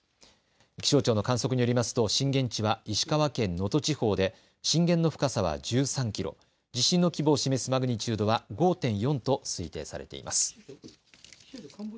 気象庁の観測によりますと震源地は石川県能登地方で震源の深さは１３キロ、地震の規模を示すマグニチュードは５．４と推定されています。